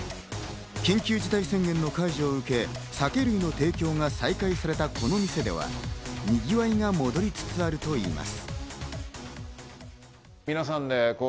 緊急事態宣言の解除を受け、酒類の提供が再開されたこの店では、にぎわいが戻りつつあるといいます。